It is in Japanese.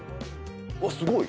うわっすごい。